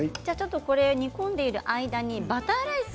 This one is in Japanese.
煮込んでいる間にバターライス